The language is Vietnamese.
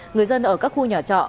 người dân ở các khu nhà trọ